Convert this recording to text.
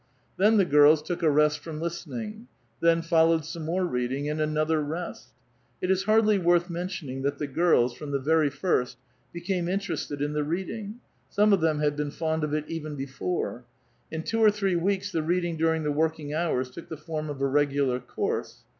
Then the girls took a rest from listening ; then followed some more reading, and another rest. It is hardly worth mention ing that the girls, from the very first, became interested in the reading ; some of them had been fond of it even before. In two or three weeks, the reading during the working hours took the form of a regular course.